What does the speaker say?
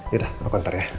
ya udah aku ntar ya